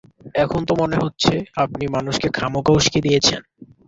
এখন তো মনে হচ্ছে আপনি মানুষকে খামোকা উস্কে দিয়েছেন!